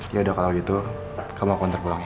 yaudah kalau gitu kamu aku hantar pulang ya